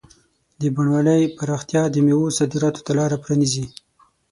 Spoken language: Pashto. د بڼوالۍ پراختیا د مېوو صادراتو ته لاره پرانیزي.